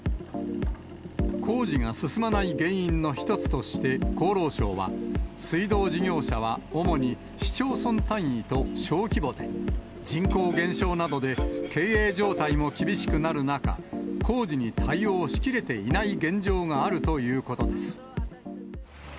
工事が進まない原因の一つとして厚労省は、水道事業者は主に市町村単位と小規模で、人口減少などで経営状態も厳しくなる中、工事に対応しきれていない現状があるということです。